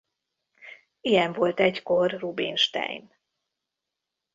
Ilyen volt egykor Rubinstein.